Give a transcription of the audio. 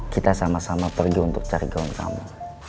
kita sama sama pergi untuk cari gaun kamu